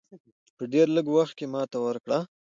په ډېر لږ وخت کې ماته ورکړه.